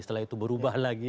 setelah itu berubah lagi